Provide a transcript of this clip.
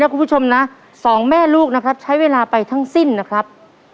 แล้วคุณผู้ชมนะ๒แม่ลูกใช้เวลาไปทั้งสิ้นนะครับ